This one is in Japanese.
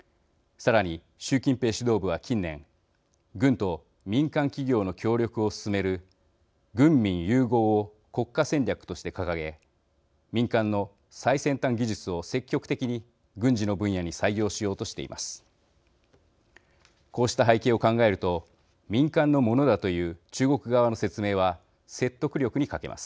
さらに習近平指導部は近年軍と民間企業の協力を進める軍民融合を国家戦略として掲げ民間の最先端技術を積極的に軍事の分野に採用しようとしています。